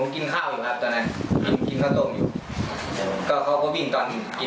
คุยว่าอย่างไร